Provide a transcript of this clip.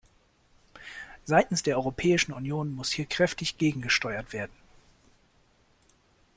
Seitens der Europäischen Union muss hier kräftig gegengesteuert werden.